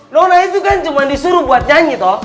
nona itu kan cuma disuruh buat nyanyi toh